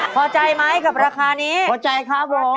พอใจไหมกับราคานี้พอใจครับผม